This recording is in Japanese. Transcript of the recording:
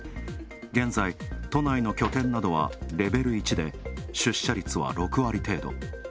現在、都内の拠点等はレベル１で出社率は６割程度。